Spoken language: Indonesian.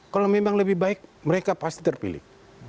kalau memang lebih baik mereka pasti terpilih